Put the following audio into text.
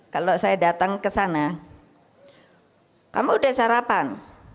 kalau saya datang ke sana kamu udah sarapan